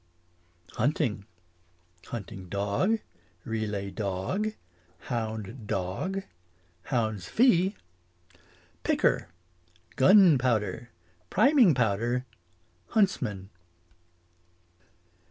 Hunting dog Relay dog Hound dog Hound's fee Hunting. Picker Gun powder Priming powder Hunts man.